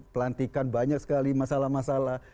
pelantikan banyak sekali masalah masalah